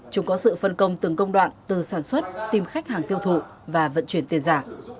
chúng có sự phân công từng công đoạn từ sản xuất tìm khách hàng tiêu thụ và vận chuyển tiền giả